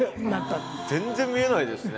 全然見えないですね。